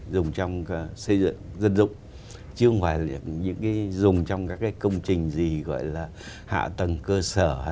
dùng trong xây dựng dân dụng chứ không phải những cái dùng trong các cái công trình gì gọi là hạ tầng cơ sở